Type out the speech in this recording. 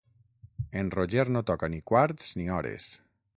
En Roger no toca ni quarts ni hores.